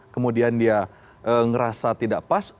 kemudian dia ngerasa tidak pas